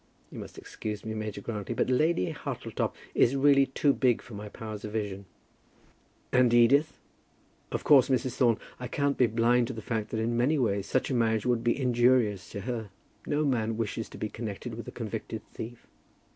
You must excuse me, Major Grantly, but Lady Hartletop is really too big for my powers of vision." "And Edith, of course, Mrs. Thorne, I can't be blind to the fact that in many ways such a marriage would be injurious to her. No man wishes to be connected with a convicted thief."